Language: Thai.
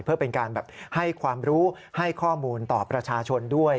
เพื่อเป็นการแบบให้ความรู้ให้ข้อมูลต่อประชาชนด้วย